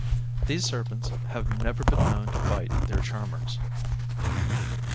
These serpents have never been known to bite their charmers."